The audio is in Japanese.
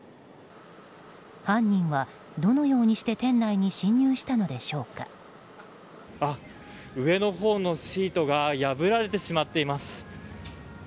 犯人はどのようにして、店内に上のほうのシートが破られてしまっています。